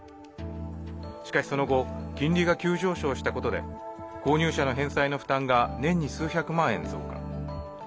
しかしその後金利が急上昇したことで購入者の返済の負担が年に数百万円増加。